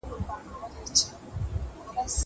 دا کار له هغه اسانه دی!!